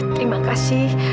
dok terima kasih